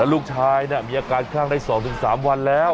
ลูกชายน่ะมีอาการคลั่งได้๒๓วันแล้ว